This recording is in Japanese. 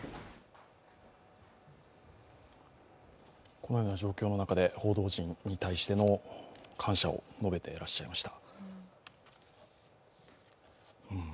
このような状況の中で報道陣に対しての感謝を述べていらっしゃいました。